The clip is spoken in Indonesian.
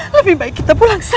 lebih baik kita pulang